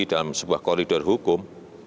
dalam sebuah koridor hukum